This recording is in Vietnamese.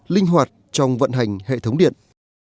linh hoạt trong vận hành hệ thống điện